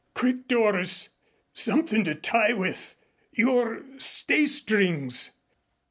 "Quick, Doris something to tie with your stay strings!"